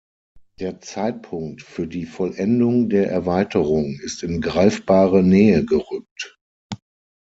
Der Zeitpunkt für die Vollendung der Erweiterung ist in greifbare Nähe gerückt.